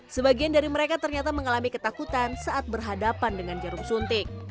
sebagian dari mereka ternyata mengalami ketakutan saat berhadapan dengan jarum suntik